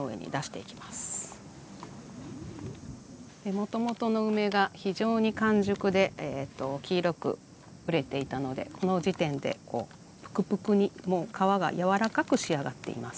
もともとの梅が非常に完熟で黄色く熟れていたのでこの時点でプクプクにもう皮が柔らかく仕上がっています。